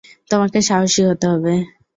তোমাকে সাহসী হতে হবে!